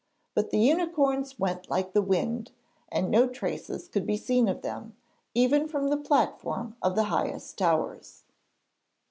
But the unicorns went like the wind, and no traces could be seen of them, even from the platform of the highest towers.